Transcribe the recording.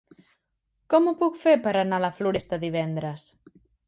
Com ho puc fer per anar a la Floresta divendres?